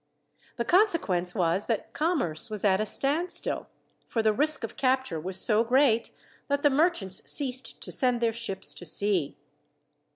The consequence was that commerce was at a standstill, for the risk of capture was so great that the merchants ceased to send their ships to sea.